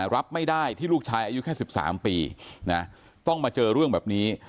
รับไม่ได้ที่ลูกชายอายุแค่๑๓ปีต้องมาเจอเรื่องแบบนี้